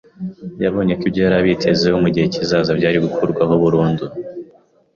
Yabonye ko ibyo yari abitezeho mu gihe kizaza byari gukurwaho burundu.